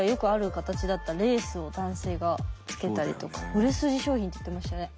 売れ筋商品って言ってましたね。